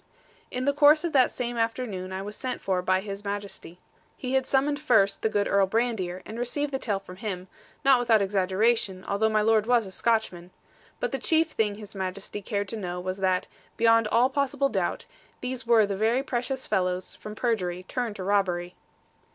In the course of that same afternoon I was sent for by His Majesty. He had summoned first the good Earl Brandir, and received the tale from him, not without exaggeration, although my lord was a Scotchman. But the chief thing His Majesty cared to know was that, beyond all possible doubt, these were the very precious fellows from perjury turned to robbery.